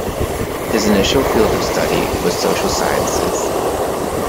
His initial field of study was social sciences.